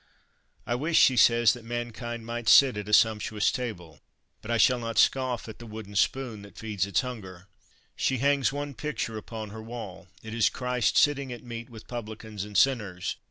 I wish, she says, that mankind might sit at a sumptuous table, but I shall not scoff at the wooden spoon that feeds its hunger. She hangs one picture upon her wall: it is Christ sitting at meat with publicans and sinners.